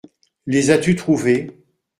Les as-tu trouvés ?